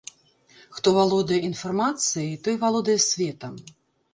Хто валодае інфармацыяй, той валодае светам.